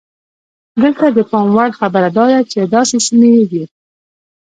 دلته د پام وړ خبره دا ده چې داسې سیمې وې.